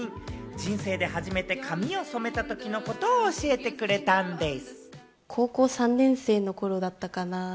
人生で初めて髪を染めた時の事を教えてくれたんでぃす！